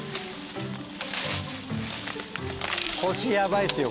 腰やばいっすよ